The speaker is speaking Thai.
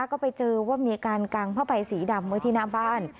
ก็ไปเจอว่ามีอาการกางผ้าใบสีดำไว้ที่หน้าบ้าน